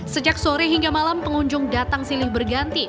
sejak sore hingga malam pengunjung datang silih berganti